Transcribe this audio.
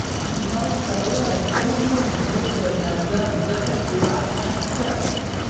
ما ورته وویل: زه نو، نور در نه ځم، ځکه چې وخت نشته.